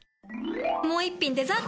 もう一品デザート！